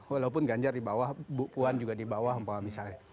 walaupun ganjar di bawah bu puan juga di bawah umpama misalnya